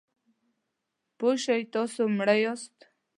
پوه شئ چې تاسو مړه یاست .